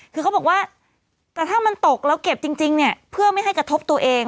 คือเขาบอกว่าแต่ถ้ามันตกแล้วเก็บจริงเนี่ยเพื่อไม่ให้กระทบตัวเอง